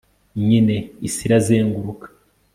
nyine isi irazenguruka